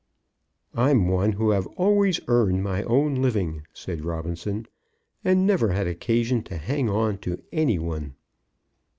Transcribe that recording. "I'm one who have always earned my own living," said Robinson, "and never had occasion to hang on to any one."